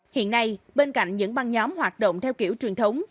hiện nay bên cạnh những băng nhóm hoạt động theo kiểu truyền thống